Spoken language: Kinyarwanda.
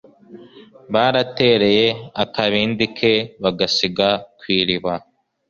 baratereye akabindi ke bagasiga ku iriba